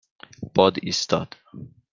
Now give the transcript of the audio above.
باد ایستاد.